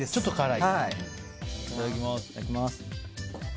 いただきます。